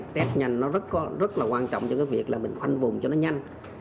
test nhanh nó rất là quan trọng cho cái việc là mình khoanh vùng cho nó nhanh